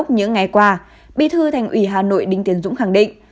những ngày qua bí thư thành ủy hà nội đinh tiến dũng khẳng định